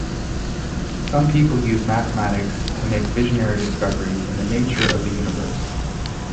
Some people use mathematics to make visionary discoveries in the nature of the universe.